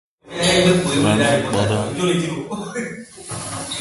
Il y a eu des auréoles d’ermites sur toutes ces pointes d’écueils.